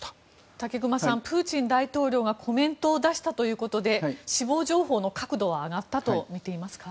武隈さんプーチン大統領がコメントを出したということで死亡情報の確度は上がったとみていますか？